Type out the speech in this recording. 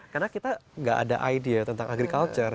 karena kita gak ada idea tentang agriculture